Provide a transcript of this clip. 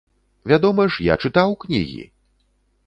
Вядома ж, я чытаў кнігі!